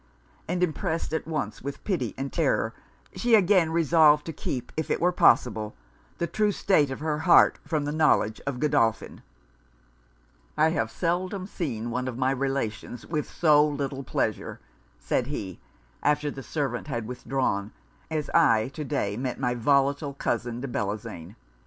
And impressed at once with pity and terror, she again resolved to keep, if it were possible, the true state of her heart from the knowledge of Godolphin. 'I have seldom seen one of my relations with so little pleasure,' said he, after the servant had withdrawn, 'as I to day met my volatile cousin de Bellozane.